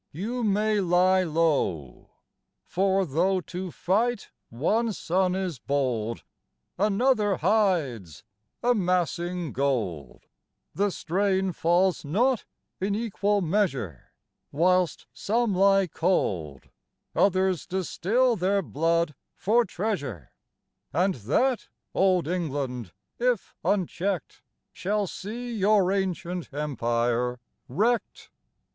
You may lie low: For, though to fight one son is bold, Another hides, amassing gold; The strain falls not in equal measure: Whilst some lie cold Others distil their blood for treasure, And that Old England if unchecked, Shall see your ancient Empire wrecked.